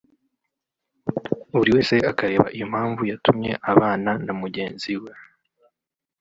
buri wese akareba impamvu yatumye abana na mugenzi we